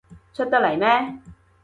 出得嚟喇咩？